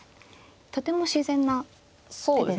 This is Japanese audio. とても自然な手ですか。